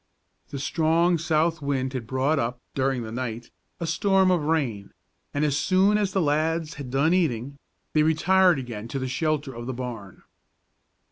The strong south wind had brought up, during the night, a storm of rain, and as soon as the lads had done eating, they retired again to the shelter of the barn.